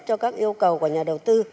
cho các yêu cầu của nhà đầu tư